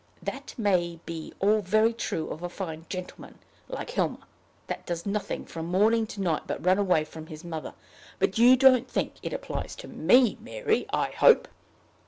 "That may be all very true of a fine gentleman, like Helmer, that does nothing from morning to night but run away from his mother; but you don't think it applies to me, Mary, I hope!"